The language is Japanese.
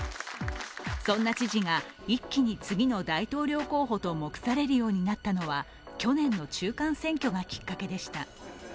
そんな知事が一気に次の大統領候補と目されるようになったのは去年の中間選挙がきっかけでした。